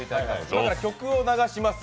今から曲を流します。